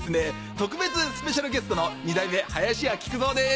特別スペシャルゲストの二代目林家木久蔵です。